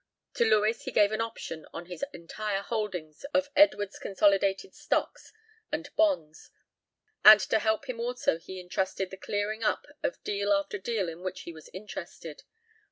To Lewis he gave an option on his entire holdings of Edwards Consolidated stocks and bonds and to him also he entrusted the clearing up of deal after deal in which he was interested.